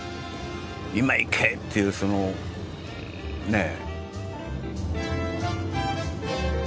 今行け！っていうそのねっ。